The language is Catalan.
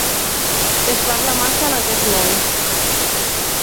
Es parla massa en aquest món.